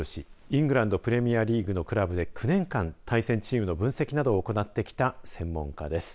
イングランドプレミアリーグのクラブで９年間、対戦チームの分析などを行ってきた専門家です。